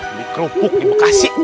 ini kerupuk terima kasih